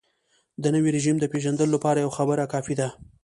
د نوي رژیم د پېژندلو لپاره یوه خبره کافي ده.